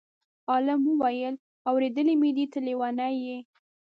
عالم وویل: اورېدلی مې دی ته لېونی یې.